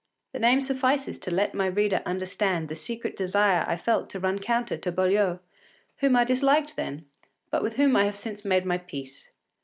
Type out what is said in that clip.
The name suffices to let my reader understand the secret desire I felt to run counter to Boileau, whom I disliked then, but with whom I have since made my peace.